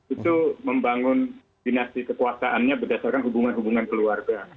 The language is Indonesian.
itu membangun dinasti kekuasaannya berdasarkan hubungan hubungan keluarga